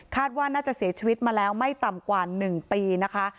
ว่าน่าจะเสียชีวิตมาแล้วไม่ต่ำกว่า๑ปีนะคะ